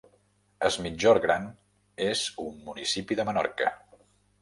Es Migjorn Gran és un municipi de Menorca.